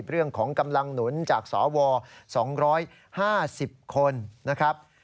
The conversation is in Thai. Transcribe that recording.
เรื่องของกำลังหนุนจากสว๒๕๐คนนะครับ